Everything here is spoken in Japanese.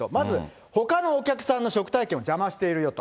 まずほかのお客さんの食体験を邪魔しているよと。